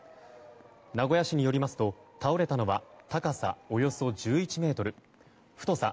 名古屋市によりますと倒れたのは高さおよそ１１ｍ太さ